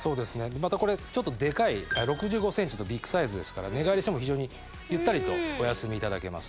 またこれちょっとデカい６５ｃｍのビッグサイズですから寝返りしても非常にゆったりとお休みいただけます。